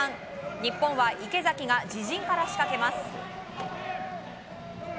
日本は池崎が自陣から仕掛けます。